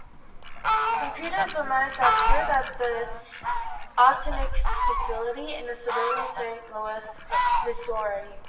Computers were manufactured at the Artronix facility in suburban Saint Louis, Missouri.